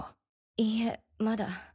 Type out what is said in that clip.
いいえまだ。